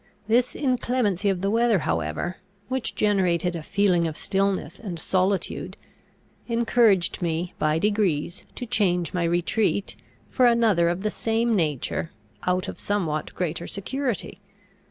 This inclemency of the weather however, which generated a feeling of stillness and solitude, encouraged me by degrees to change my retreat, for another of the same nature, out of somewhat greater security.